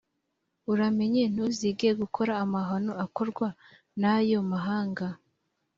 uramenye ntuzige gukora amahano akorwa n’ayo mahanga.